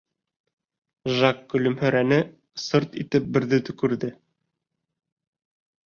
Жак көлөмһөрәне, сырт итеп берҙе төкөрҙө.